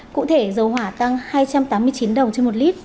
cụ thể dầu hỏa tăng hai trăm tám mươi chín đồng trên một lít